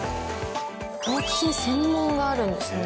抗菌専門があるんですね。